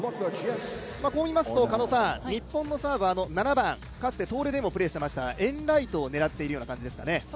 こう見ますと、日本のサーブ、かつて東レでもプレーしていましたエンライトを狙っているような感じですかね。